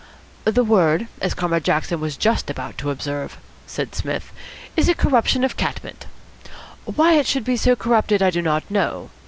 "The word, as Comrade Jackson was just about to observe," said Psmith, "is a corruption of cat mint. Why it should be so corrupted I do not know.